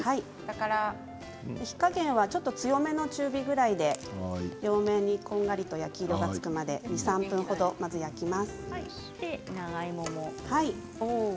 火加減はちょっと強めの中火ぐらいで両面にこんがりと焼き色がつくまで２、３分程まず焼きます。